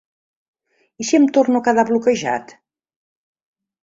I si em torno a quedar bloquejat?